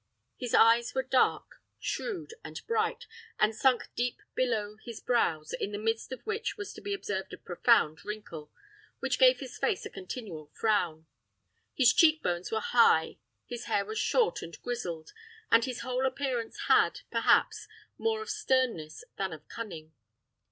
His eyes were dark, shrewd, and bright, and sunk deep below his brows, in the midst of which was to be observed a profound wrinkle, which gave his face a continual frown. His cheek bones were high, his hair was short and grizzled, and his whole appearance had, perhaps, more of sternness than of cunning.